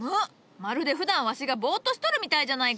まるでふだんわしがボーッとしとるみたいじゃないか。